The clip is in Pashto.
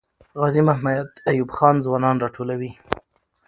غازي محمد ایوب خان ځوانان راټولوي.